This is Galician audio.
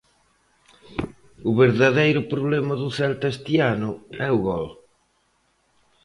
O verdadeiro problema do Celta este ano é o gol.